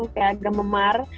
kayak agak memar